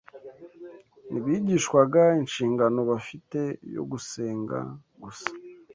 Ntibigishwaga inshingano bafite yo gusenga gusa